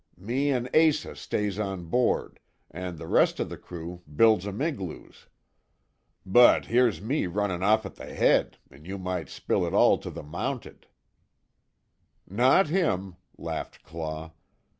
Me an' Asa stays on board, an' the rest of the crew, builds 'em igloos. But, here's me runnin' off at the head an' you might spill it all to the Mounted." "Not him," laughed Claw.